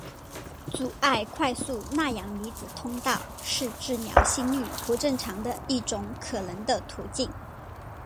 阻碍快速钠阳离子通道是治疗心律不正常的一种可能的途径。